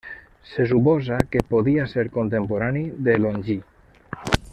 Se suposa que podia ser contemporani de Longí.